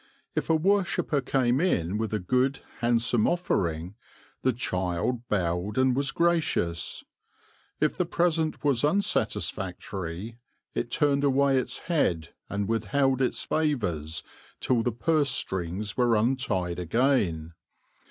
If a worshipper came in with a good handsome offering, the child bowed and was gracious; if the present was unsatisfactory it turned away its head, and withheld its favours till the purse strings were untied again.